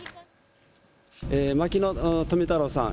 牧野富太郎さん